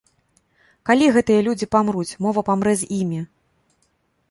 Калі гэтыя людзі памруць, мова памрэ з імі.